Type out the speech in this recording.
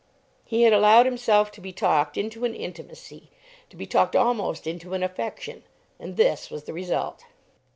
He had allowed himself to be talked into an intimacy, to be talked almost into an affection. And this was the result!